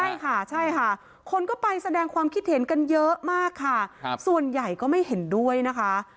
ใช่ค่ะใช่ค่ะคนก็ไปแสดงความคิดเห็นกันเยอะมากค่ะส่วนใหญ่ก็ไม่เห็นด้วยนะคะ